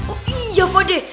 oh iya pak dek